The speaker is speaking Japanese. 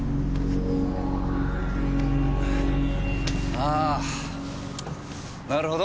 あぁなるほど。